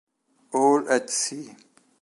All at Sea